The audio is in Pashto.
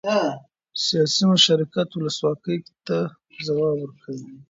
سیاسي مشارکت ولسواکۍ ته ځواک ورکوي